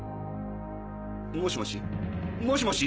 もしもし？もしもし？